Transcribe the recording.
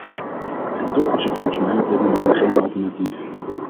En toch is er volgens mij op dit moment geen alternatief.